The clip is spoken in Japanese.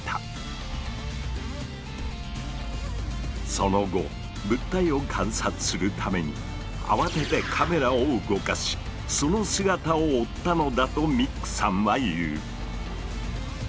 その後物体を観察するために慌ててカメラを動かしその姿を追ったのだとミックさんは言う。